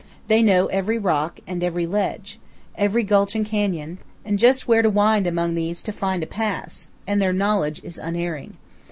They know every rock and every ledge, every gulch and canyon, and just where to wind among these to find a pass; and their knowledge is unerring.